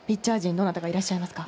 どなたか、いらっしゃいますか？